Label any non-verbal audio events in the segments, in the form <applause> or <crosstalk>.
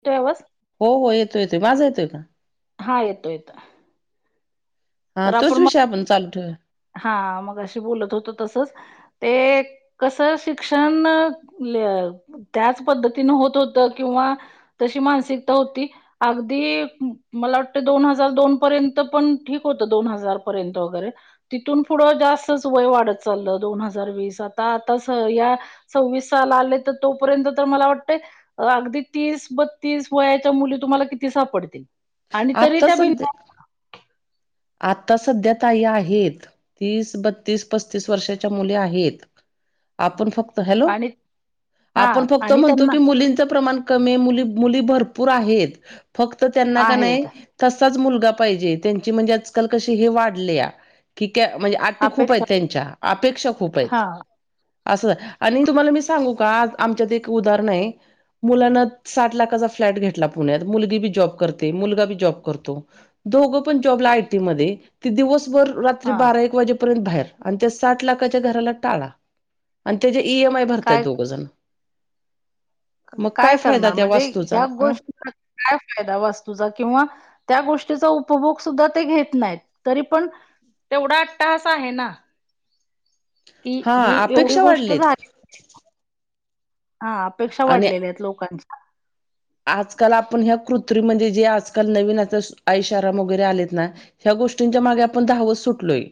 येतोय आवाज? हो हो येतोय येतोय माझा येतोय का? हा येतोय येतो. हा तर तोच आपण विषय मग चालू ठेवूया हा मगाशी बोलत होतो तसंच. ते कसं शिक्षण ल्य त्याच पद्धतीनं होत होतं किंवा तशी मानसिकता होती अगदी मला वाटतंय दोन हजार दोन पर्यंत पण ठीक होतं दोन हजारपर्यंत वगैरे. तिथून पुढं जास्तच वय वाढत चाललं दोन हजार वीस आता आता स या सव्वीस साल आलंय तर तोपर्यंत तर मला वाटतंय अ अगदी तीस-बत्तीस वयाच्या मुली तुम्हाला किती सापडतील. आणि तरीही आता त्या बिल सध्या आता सध्या ताई आहेत. तीस, बत्तीस, पस्तीस वर्षाच्या मुली आहेत. आपण फक्त हॅलो, आणि हा आपण फक्त आणि म्हणतो त्यांना की मुलींचं प्रमाण कमी मुली मुली भरपूर आहेत, फक्त त्यांना कनयं आहेत तसाच मुलगा पाहिजे त्यांची म्हणजे आजकाल कशी हे वाढलेया कीती म्हणजे आटी खूप आहेत अपेक्षा त्यांच्या, अपेक्षा खूप आहेत. हा असं आणि तुम्हाला मी सांगू का आमच्यात एक उदाहरण आहे मुलानं साठ लाखाचा फ्लॅट घेतला पुण्यात मुलगी बी जॉब करते, मुलगा बी जॉब करतो. दोघं पण जॉबला आ. य. टी. मध्ये ते दिवसभर रात्री हा बारा- एक वाजेपर्यंत बाहेर आणि त्या साठ लाखाच्या घराला टाळा आणि त्यांचे इ. एम. आय भरतात काय दोघं जण मग काय फायदा करणार त्या म्हणजे वास्तूचा ह्या अं? गोष्टीचा काय फायदा वास्तूचा किंवा त्या गोष्टीचा उपभोग सुद्धा ते घेत नाहीत, तरी पण तेवढा अट्टहास आहे ना की ही हा एवढी अपेक्षा गोष्ट वाढलेत झाली हा अपेक्षा आणि वाढलेल्या आहेत लोकांच्या आजकाल आपण ह्या कृत्रिम म्हणजे जे आजकाल नवीन आता आईशाराम वगैरे आलेत ना ह्या गोष्टींच्या मागे आपण धावत सुटलोय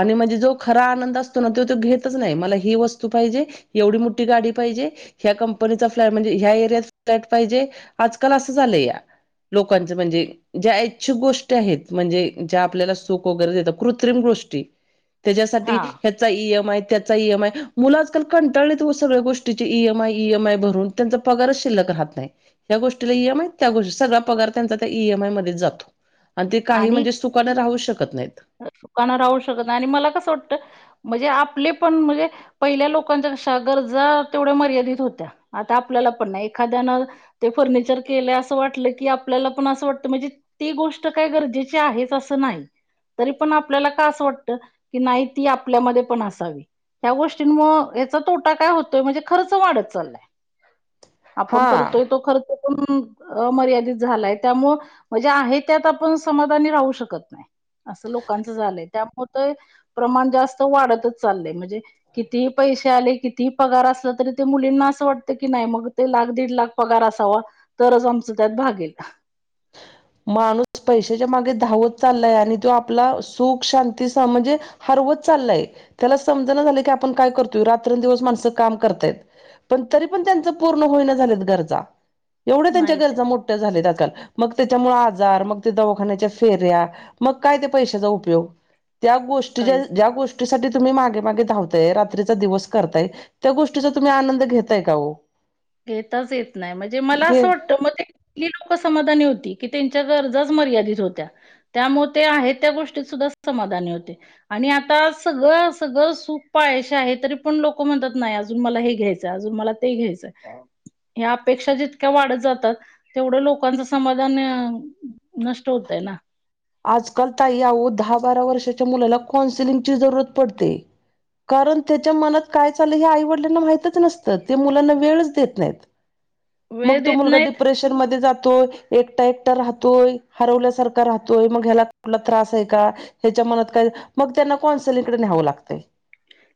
आणि म्हणजे जो खरा आनंद असतो ना तो तो घेतच नाही मला ही वस्तू पाहिजे एवढी मोठी गाडी पाहिजे ह्या कंपनीचा फ्लाय म्हणजे ह्या एरियात पाहीजे, आजकाल असं झालंया लोकांच म्हणजे ज्या इच्छुक गोष्टी आहेत म्हणजे, ज्या आपल्याला सुख वगैरे देतात कृत्रिम गोष्टी त्यांच्यासाठी हा ह्यात हेचा ई. एम. आय त्याचा ई. एम. आय मुलं आजकाल कंटाळलेत ओ सगळ्या गोष्टीचे E. M. I, E. M. I भरून त्यांचा पगारच शिल्लक राहत नाही या गोष्टीला ई. एम. आय त्या गोष्टी सगळा पगार त्यांचा त्या ई. एम. आय मध्येच जातो आणि ते काही म्हणजे सुखान राहूच शकतं नाहीत. सुखान राहू शकत नाय आणि मला कसं वाटत म्हणजे आपले पण म्हणजे पहिल्या लोकांच्या कशा गरजा तेवढ्या मर्यादित होत्या आता आपल्याला पण नाही एखाद्यानं ते फर्निचर केलंय असं वाटलं की आपल्याला पण असं वाटतं म्हणजे ते गोष्ट काय गरजेचे आहेच असं नाही तरी पण आपल्याला का असं वाटतं, की नाही ती आपल्यामध्ये पण असावी ह्या गोष्टीमुळं याचा तोटा काय होतोय म्हणजे खर्च वाढतं चाललाय आपण हा. करतोय तो खर्च पण अमर्यादित झालायं त्यामुळं म्हणजे आहे त्यात आपणं समाधानी राहू शकतं नाही, असं लोकांचं झालंय त्यात होतंय प्रमाण जास्त वाढतच चाललंय म्हजे कितीही पैसे आले, कितीही पगार असला तरी ते मुलींना असं वाटतं की नाही मग ते लाख दीड लाख पगार असावा तरच आमचं त्यात भागेल <unintelligible> माणूस पैशाच्या मागे धावत चाललाय आणि तो आपला सुख शांती स म्हणजे हरवत चाललाय त्याला समजणा झालय की आपण काय करतोय रात्रंदिवस माणसं काम करतायत पण तरी पण त्यांच पूर्ण होईना झालेत गरजा एवढ्या त्यांच्या नाही गरजा तर मोठ्या झाल्यात आकाल मग त्याच्यामुळं आजार मग त्या दवाखान्याच्या फेऱ्या मग काय त्या पैशाचा उपयोग ज्या गोष्टीच्या काहीच नाही. ज्या गोष्टीसाठी तुम्ही मागे मागे धावताय रात्रीचा दिवस करताय त्या गोष्टीचा तुम्ही आनंद घेताय का ओ. घेताच येत नाय म्हणजे मला घे असं वाटतं म ते ती लोक समाधानी होती, की त्यांच्या गरजाच मर्यादित होत्या. त्यामुळ ते आहेत त्या गोष्टीत सुद्धा समाधानी होते. आणि आता सगळं सगळं सूख पायाशी आहे तरी पण लोक म्हणतात नाही अजून मला हे घ्यायचं अजून मला ते घ्यायचंय हाय ह्या अपेक्षा जितक्या वाढत जातात तेवढ्या लोकांचं समाधान नष्ट होतंय ना, आजकाल ताई आवो दहा-बारा वर्षाच्या मुलाला कौन्सिलिंगची जरूरत पडते, कारण त्याच्या मनात काय चाललं हे आई-वडिलांना माहितच नसतं ते मुलांना वेळच देत नाहीत. <unintelligible> वेळ मग तो देत मुलगा नाहीत डिप्रेशन मध्ये जातोय, एकटा-एकटा राहतोय, हरवल्यासारखा राह तोय मग ह्याला कुठला त्रास आहे का? ह्याच्या मनात काय मग त्यांना कौन्सिलिंगकडे न्यावं लागतंय.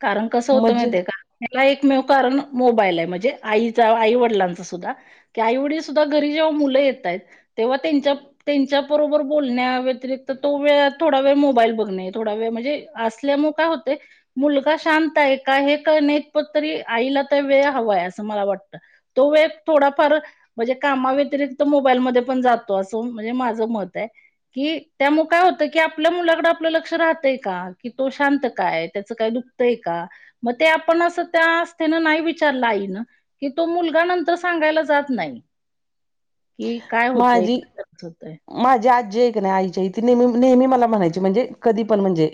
कारण कसं होतं म्हणजे माहितीय का.? ह्याला एकमेव कारण मोबाईल आहे म्हजे आईचा आई- वडिलांचा सुद्धा, ते आईवडील सुद्धा घरी जेव्हा मुलं येत आहेत तेव्हा त्यांच्या त्यांच्याबरोबर बोलण्या व्यतिरिक्त तो वेळ थोडा वेळ मोबाईल बघणे, थोडा वेळ म्हणजे अस ल्यामुळं काय होतयं मुलगा शांत आहे का? हे कळण्याइतपत तरी आईला त्या वेळ हवाय असं मला वाटतं. तो व एक थोडाफार म्हणजे कामाव्यतिरिक्त मोबाईल मध्ये पण जातो असं म्हणजे माझं मत आहे. कि त्यामुळं काय होतं की, आपल्या मुलाकडे आपलं लक्ष राहतंय का कि तो शांत का य त्याचं काही दुःखतयं का मग ते आपण असं त्या आस्थेने नाही विचारलं आईनं कि तो मुलगा नंतर सांगायला जात नाही, की काय होतंय, माझी एकंदरच होतय. माझी आजी आहे क नाही, आईची ती नेहमी मला म्हणायची म्हणजे कधी पण म्हणजे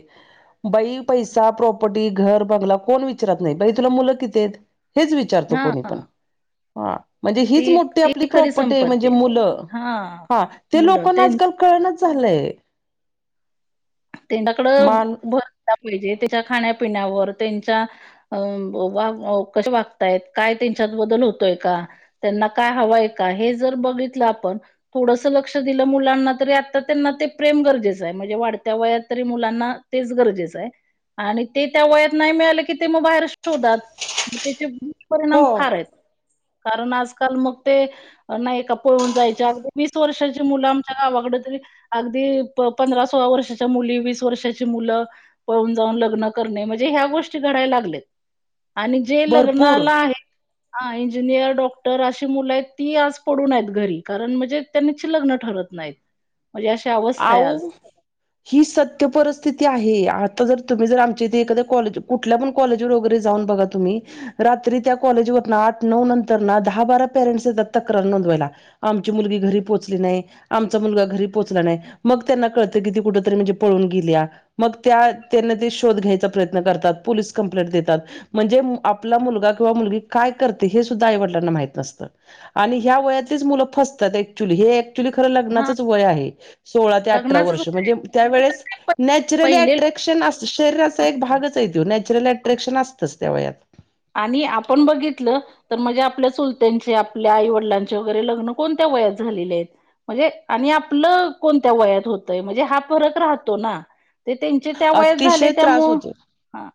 बाई पैसा, प्रॉपर्टी, घर, बंगला कोण विचारत नाही बाई तुला मुलं किती आहेत? हेच विचार विचारतो हा कोणी पण.. हां... म्हणजे ती हीच मोठी ती आपली खरी प्रॉपर्टी आहे म्हणजे संपत्ती मुल लं हा ते मुलं लोकांना ना त्यां आजकाल कळणाच झालंय, त्यांच्याकडं मान भर दिला पाहिजे, त्याच्या खाण्यापिण्यावर त्यांच्या अ वा कसे वागतायत, काय त्यांच्यात बदल होतोय का? त्यांना काय हवंय का हे जर बघितलं आपण, थोडसं लक्ष दिलं मुलांना तरी आता त्यांना ते प्रेम गरजेचं आहे. म्हणजे वाढ त्या वयात तरी मुलांना तेच गरजेचं आहे. आणि ते त्या वयात नाही मिळालं की ते मग बाहेर शोधात मग त्याची परिणाम हो फार आहेत कारण आजकाल मग ते, नाही का पळून जायच्या अगदी वीस वर्षाची मुलं आमच्या गावाकडं तरी, अगदी पंधरा-सोळा वर्ष, च्या मुली, वीस वर्षाची मुलं पळून जाऊन लग्न करणे, म्हणजे ह्या गोष्टी घडाय लागलेत. आणि जे भरपूर लग्नाला आहे, हा इंजिनियर डॉक्टर अशी मुलं आहेत ती आज पडून आहेत घरी, कारण म्हणजे त्यांची लग्न ठरत नाहीत. <inaudible> म्हणजे अशी अवस्थ आऊ ही सत्य परिस्थिती आहे, आता जर तुम्ही जर आमच्या इथे एखाद्या कॉलेज कुठ कुठल्या पण कॉलेजवर वगैरें जाऊन बघा तुम्ही, रात्री त्या कॉलेज वर ना आठ-नऊ नंतर ना, दहा-बारा पेरेंट्स येतात तक्रार नोंदवायला. आमची मुलगी घरी पोचली नाही, आमचा मुलगा घरी पोचला नाही. मग त्यांना कळतं की ती कुठं तरी म्हणजे पळून गेल्या, मग त्या त्यांना ते शोध घ्यायचा प्रयत्न करतात, पोलीस कंप्लेंट देतात. म्हणजे आपला मुलगा किंवा मुलगी काय करते? हे सुद्धा आईवडिलांना माहित नसतं. आणि ह्या वयातलीच मुलंच फसतात ऍक्च्युली, हे एक खरं हा लग्नाचच वय आहे, सोळा ते अठरा लग्नाचच वर्ष, म्हणजे त्या वळेस नॅचरली पहिले अट्रॅक् शरीराचा एक भागच आहे तो, नॅचरल अट्रॅक्शन असतंच त्या वयात. आणि आपण बघितलं तर म्हणजे आपल्या चुलत्यांनचे, आपल्या आई वडिलांचे वगैरे लग्नं कोणत्या वयात झालेले आहेत म्हणजे आणि आपलं कोणत्या वयात होतय, म्हणजे हा फरक राहतो ना. ते त्यांचे त्या वयात झाले अतिशय त्रास त्यामुळं, होतो हा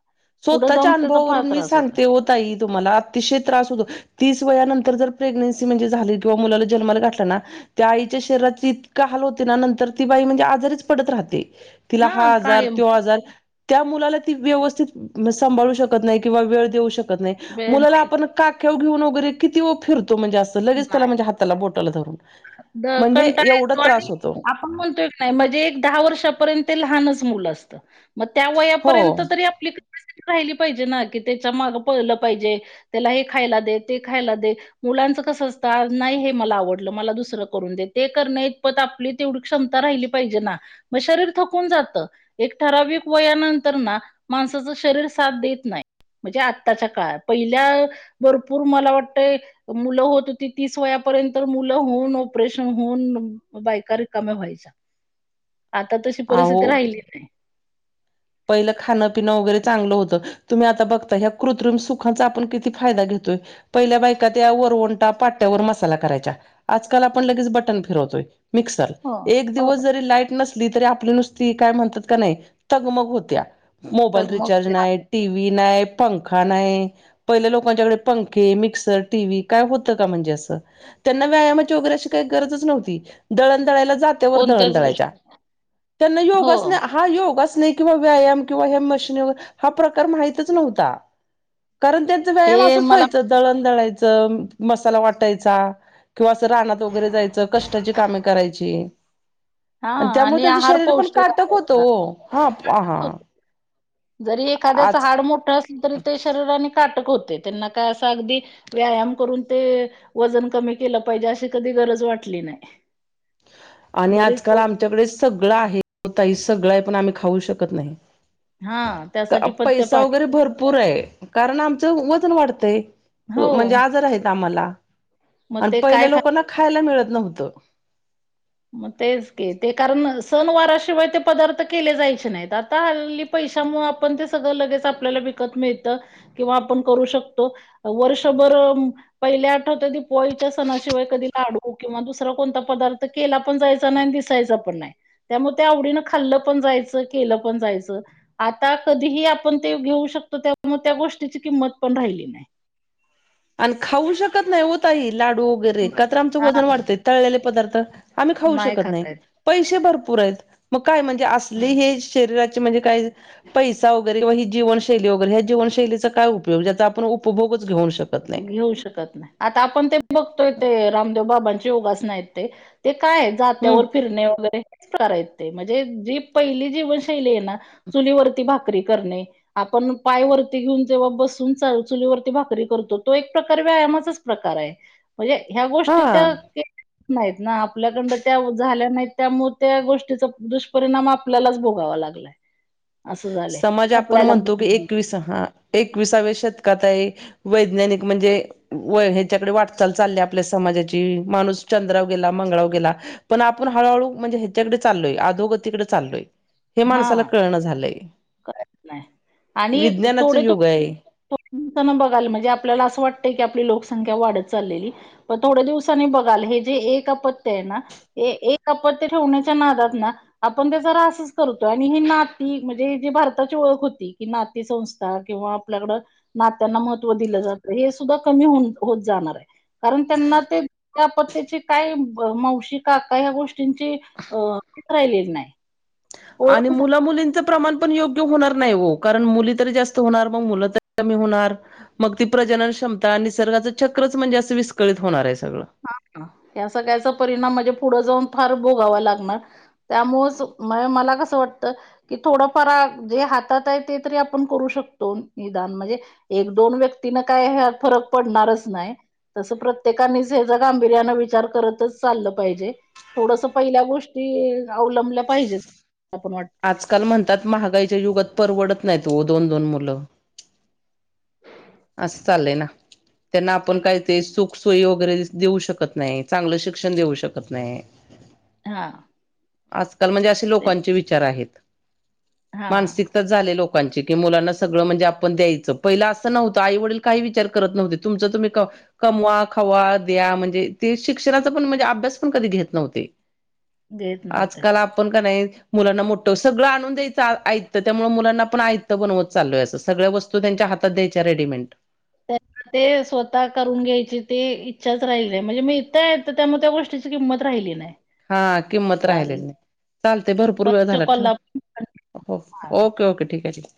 पुढं स्वतःच्या जाऊन त्याचा फार अनुभवावरून मी त्रास होता. सांगते हो ताई तुमाला अतिशय त्रास होतो तीस वयानंतर जर प्रेग्नेन्सी म्हणजे झाली, किंवा मुलाला जन्माला घाठला ना, त्या आईच्या शरीराची इतक हाल होते ना, नंतर ती बाई म्हणजे आजारीच पडत राहते. तिला हा आजार तो आजार, त्या मुलाला ती व्यवस्थित संभाळू शकत नाही किंवा वेळ देऊ शकत नाही, वेळ मुलाला नाही आपण काकेव घेऊन वगैरे किती ओ फिरतो म्हणजे असं, लगेच त्याला म्हणजे हाताला बोटाल धरून अं म्हणजे कंटाळा एवढा येतो त्रास आणि होतो म्हणतो एक नाही म्हणजे, एक दहा वर्षापर्यंत ते लहानच मुलं असतं मग त्या हो वयापर्यंत तरी आपली कपॅसिटी राहिली पाहिजे ना, कि त्याच्या माग पळलं पाहिजे. त्याला हे खायला दे ते खायला दे, मुलांचं कसं असतं, नाही हे मला आवडलं मला दुस दुसरं करून दे, ते करन्या इतपत आपली तेवढी क्षमता राहिली पाहिजे ना, मग शरीर थकून जातं. एक ठराविक वयानंतर ना, माणसाच शरीर साथ देत नाही. म्हणजे आत्ताच्या काळात, पहिल्या भरपूर मला वाटतय, मुलं होत होती तीस वयापर्यंत मुलं होऊन ऑपरेशन होऊन बायका रिकाम्या व्हायच्या आता तशी अहो परिस्थिती राहिली नाही. पहिलं खाणं पिंणं वगैरे चांगलं होतं, तुम्ही आता बघता, संग ह्या कृत्रिम सुखाचा आपण किती फायदा घेतोय. पहिल्या बायका त्या वरवंटा पाट्ट्यावर मसाला करायच्या, आजकाल आपण लगेच बटन फिरवतोय. मिक्सर, हो एक हो दिवस जरी लाईट नसली तरी आपली नुसती काय म्हणतात का नाही तगमग. हुत्या,, मोबाईल तर मग रिचार्ज नाही, टी व्ही नाही, पंखा नाही. पहिलं लोकांच्याकडे पंखे, मिक्सर, टी व्ही काय होतं का म्हणजे असं. त्यांना व्यायामाची वगैरे अशी काही गरजच नव्हती, दळण दळायला जाताना जात्यावर दळन कोणत्याच दळायच्या, गोष्टी त्यांना हो योगाच नाही, हां योगाच नाही किंवा व्यायाम किंवा मशनी, हा प्रकार माहितीच नव्हता कारण व्यायाम हे असच मला व्हायचं, दळण दळायचं, मसाला वाटायचा किंवा असं रानात वगैरे जायचं, कष्टाची कामे करायची. हा आणि त्यामुळे त्यांचं आहार शरीर पण पौष्टिक काटक होतं असायचा. ओ,, हां. जरी एखाद्याच हाड मोठं असलं तरी ते शरीराने काटक होतय, त्यांना काय असं अगदी व्यायाम करून ते वजन कमी केलं पाहिजे, अशी कधी गरज वाटली नाही. ह आणि बरेच आजकाल लोक आमच्याकडे सगळं आहे ओ ताई सगळं आहे, पण आम्ही खाऊ शकत नाही. हा त्यासाठी पथ्य पैसा पाणी वगैरे भरपूर पूर आहे, कारण आमचं वजन वाढतंय, हो म्हणजे आजार आहे आम्हाला. मग आणि ते पहिल्या काय खा लोकांना खायला मिळत नव्हतं. मग तेच की ते कारण सण वाराशिवाय ते पदार्थ केले जायचे नाहीत, आता हल्ली पैशा आपण ते सगळं लगेच आपल्याला विकत मिळतं, किंवा आपण करू शकतो, वर्षभर. पहिल्या आठवतय, ती दिपवाळीच्या सणाशिवाय कधी लाडू किंवा दुसरा कोणता पदार्थ तर केला पण जायचा नाही आणि दिसायच पण नाही. त्यामुळ ते आवडीनं खाल्लं पण जायचं केलं पण जायचं. आता कधीही आपण ते घेऊ शकतो त्यामूळ त्या गोष्टीची किंमत पण राहिली नाही. आणि खाऊ शकत नाही होत वो ताई लाडू. वगैरे का आमचं हा वजन वाढतय तळलेले पदार्थ, आम्ही खाऊ शकत नाही. खाता येत पैसे भरपूर आहेत, मग काय म्हणजे असली हे शरीराचे म्हणजे काय पैसा वगैरे ही जीवनशैली वगैर, ह्या जीवनशैलीचा काय उपयोग ज्याचा आपण उपभोगच घेऊन शकतो. घेऊ शकत नाही. आता आपण ते बघतोय ते, रामदेव बाबांची योगासन आहेत ते, ते काय आहेत. हम्म जात्यावर फिरणे वगैरे हे करायचे, म्हणजे जी पहिली जीवनशैली आहे ना. चुलीवरती भाकरी करणे. आपण पायवरती घेऊन जेव्हा बसून चुलीवरती भाकरी करतो. तो एक प्रकार व्यायामाचाच प्रकार हाय. म्हणजे ह्या गोष्टी हा त्या नाहीत ना आपल्याकडंन त्या झाल्या नाहीत त्यामुळ त्या गोष्टीचा दुष्परिणाम आप आपल्यालाच भोगावा लागलाय. असं झालंय समाज आपण कपड्याला म्हणतो की एकवीस हा, एकविसाव्या शतकात आहे. वैज्ञानिक म्हणजे व, ह्याच्याकडे वाटचाल चालली आपल्या समाजाची, माणूस चंद्राव गेला मंगळाव गेला. पण आपण हळूहळू म्हणजे ह्याच्याकडे चालोय आधोगतीकडे चालोय. हे माणसाला कळणा झालंय. कायचं नाही आणि विज्ञानाचं थोडे त युग आहे बघाला म्हणजे आपल्याला असं वाटतंय की आपली लोकसंख्या वाढत चाललेली. पण थोड्या दिवसांनी बघाल, हे जे एक आपत्य आहे ना. एक आपत्य ठेवण्याच्या नादात ना आपण त्याचा रासच करतोय आणि ही नाती म्हणजे जी भारताची ओळख होती, कि नाते संंस्था किंवा आपल्याकडं नात्यांना महत्त्व दिलं जातं, हे सुद्धा कमी हो, होत जाणार हाय. कारण त्यांना ते त्या आपत्याची काय मावशी -काका ह्या गोष्टींची अ शिस्त राहिलेली नाय. आणि मुला मुलींच प्रमाण पण योग्य होणार नाही हो, कारण मुली तरी जास्त होणार मग मुलं तरी कमी होणार. मग ती प्रजनन क्षमता आणि निसर्गाचं चक्रच म्हणजे असं विस्कळीत होणार हाय सगळं. हा, या सगळ्याचा परिणाम म्हणजे पुढं जाऊन फार भोगावा लागणार. त्यामुळेच मया, मला कसं वाटतं. कि थोडंफार जे हातात आहे ते तरी आपण करू शकतो. निदान म्हणजे एक दोन व्यक्तीन काय फरक पडणारच नाय. तस प्रत्येकानी हेज गांभीर्यान विचार करतच चाललं पाहिजे. थोडस पहिल्या गोष्टी अवलंबल्या पाहिजेत पण वाटत. आजकाल म्हणतात महागाईच्या युगात परवडत नाहीत वो दोन -दोन मुलं. असं चाललय ना. त्यांना आपण काय ते सुख-सोयी वगैरे देऊ शकत नाही, चांगलं शिक्षण देऊ शकत नाही. हां. आजकाल म्हणजे असे लोकांचे विचार आहेत. हा मानसिक ता, झाले लोकांची की मुलांना सगळं म्हणजे आपण द्यायचं, पहिलं असं नव्हतं आई -वडील काही विचार करत नव्हतेत. तुमच तुम्ही कम कमवा, खवा, द्या म्हणजे ते शिक्षणाचा पण म्हणजे अभ्यास पण कधी घेत नव्हते घेत नव्हते आजकाल आ पण कनही मुलांना मोठ सगळं आणून द्यायचं आयतं त्यामुळे मुलांना आपण आयतं बनवत चालोय सगळ्या वस तू त्यांच्या हातात द्यायच्या रेडीमेंट ते स्वतः करून घ्यायची ते इच्छाच राहिल नाही म्हणजे मिळतंय तर त्यामुळे त्या गोष्टीची किंमत राहिली नाही. हा किंमत राहिली चालेल नाही चालते भरपूर वेळ परत झाला ठेवा कॉलला आपण हां हो ठेव. ओके ओके ठीक आहे ठी